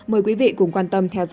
mời quý vị cùng quan tâm theo dõi